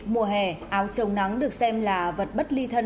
mùa hè áo trồng nắng được xem là vật bất ly thân